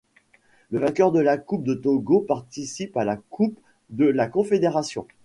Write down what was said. Le vainqueur de la Coupe du Togo participe à la Coupe de la confédération.